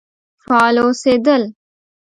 فعال اوسېدل.